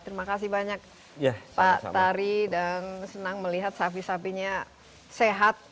terima kasih banyak pak tari dan senang melihat sapi sapinya sehat